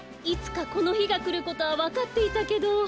いつかこのひがくることはわかっていたけど。